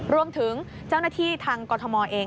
รวมถึงเจ้าหน้าที่ทางกรทมเอง